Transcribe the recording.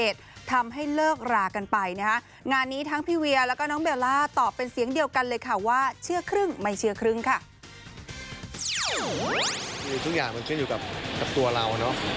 ทุกอย่างมันขึ้นอยู่กับตัวเรา